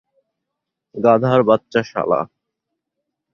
গাধার বাচ্চা শালা।